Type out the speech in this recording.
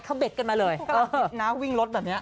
เขาเด็ดกันมาเลยนะวิ่งรถแบบนี้